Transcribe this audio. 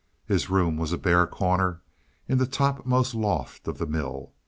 His room was a bare corner in the topmost loft of the mill.